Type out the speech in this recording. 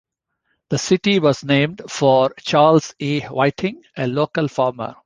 The city was named for Charles E. Whiting, a local farmer.